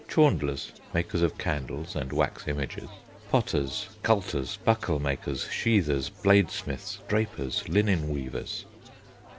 Chaundlers (makers of candles and wax images). Potters. Culters. Bucklemakers, sheathers, bladesmiths. Drapers. Linenweavers.